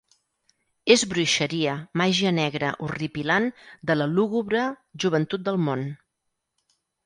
És bruixeria, màgia negra horripilant de la lúgubre joventut del món.